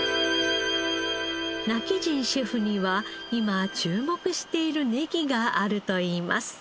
今帰仁シェフには今注目しているネギがあるといいます。